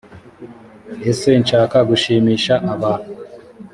ese nshaka gushimisha abantu